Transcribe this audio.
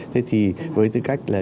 thế thì với tư cách là